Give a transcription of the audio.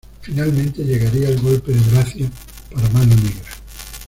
Finalmente llegaría el golpe de gracia para Mano Negra.